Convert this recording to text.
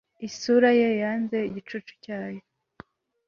Isura ye yanze igicucu cyayo